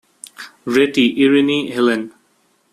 Reti, Irene Helen.